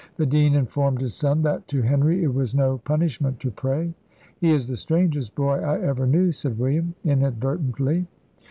The dean informed his son "that to Henry it was no punishment to pray." "He is the strangest boy I ever knew!" said William, inadvertently.